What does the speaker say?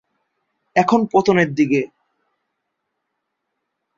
এখন পতনের দিকে।